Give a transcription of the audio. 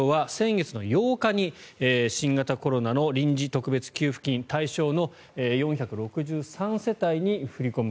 阿武町は先月８日に新型コロナの臨時特別給付金対象の４６３世帯に振り込み。